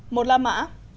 một là mã